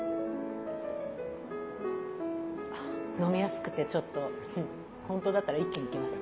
飲みやすくてちょっと本当だったら一気にいけます。